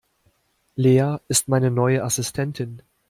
Lea ist meine neue Assistentin.